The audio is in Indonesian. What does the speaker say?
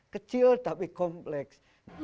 kecil tapi kompleks